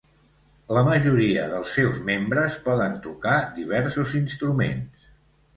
La majoria dels seus membres poden tocar diversos instruments.